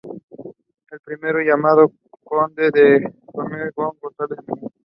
El primero llamado conde de Coímbra fue Gonzalo Muñoz.